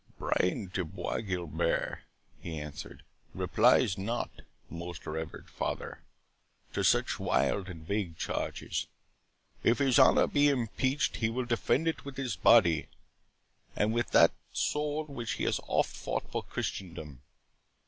"Brian de Bois Guilbert," he answered, "replies not, most Reverend Father, to such wild and vague charges. If his honour be impeached, he will defend it with his body, and with that sword which has often fought for Christendom."